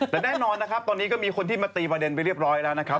แต่แน่นอนนะครับตอนนี้ก็มีคนที่มาตีประเด็นไปเรียบร้อยแล้วนะครับ